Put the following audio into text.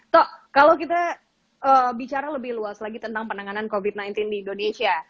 toh kalau kita bicara lebih luas lagi tentang penanganan covid sembilan belas di indonesia